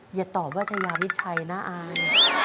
อย่าตอบว่าชายามิดชัยนะอาย